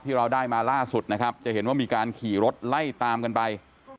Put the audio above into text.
เราได้มาล่าสุดนะครับจะเห็นว่ามีการขี่รถไล่ตามกันไป